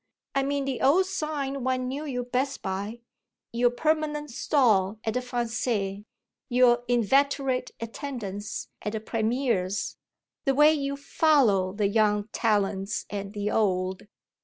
I mean the old sign one knew you best by; your permanent stall at the Français, your inveterate attendance at premières, the way you 'follow' the young talents and the old."